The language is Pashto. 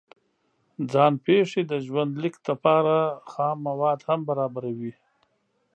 ځان پېښې د ژوند لیک لپاره خام مواد هم برابروي.